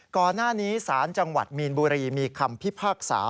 ก่อนหน้านี้สารจังหวัดมีนบุรีมีคำพิพากษา